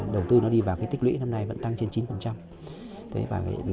đầu tư nó đi vào cái tích lũy năm nay vẫn tăng trên chín